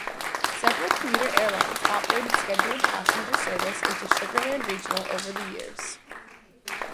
Several commuter airlines operated scheduled passenger service into Sugar Land Regional over the years.